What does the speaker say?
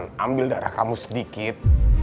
saya akan ambil darah kamu sedikit